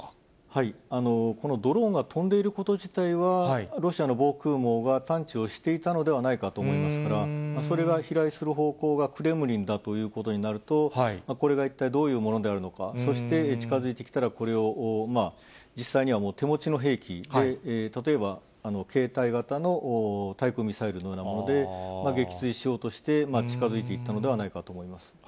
このドローンが飛んでいること自体は、ロシアの防空網が探知をしていたのではないかと思いますから、それが飛来する方向が、クレムリンだということになると、これが一体どういうものであるのか、そして近づいてきたら、これを実際には手持ちの兵器で、例えば、携帯型の対空ミサイルようなもので撃墜しようとして、近づいていったのではないかと思います。